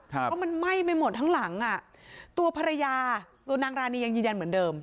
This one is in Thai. เพราะมันไหม้ไปหมดทั้งหลังอ่ะตัวภรรยาตัวนางรานียังยืนยันเหมือนเดิม